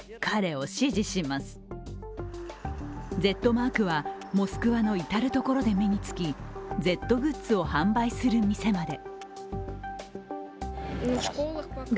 「Ｚ」マークはモスクワの至る所で目につき「Ｚ」グッズを販売する店まで。